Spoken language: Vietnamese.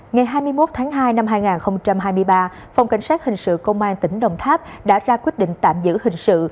ngày hai mươi một tháng hai năm hai nghìn hai mươi ba phòng cảnh sát hình sự công an tỉnh đồng tháp đã ra quyết định tạm giữ hình sự